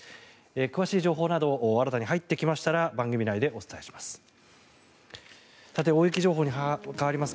詳しい情報など新たに入ってきましたら番組内でお伝えします。